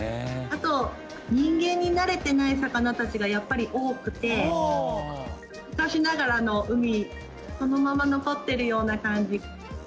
あと人間に慣れてない魚たちがやっぱり多くて昔ながらの海そのまま残ってるような感じがすごい好きです。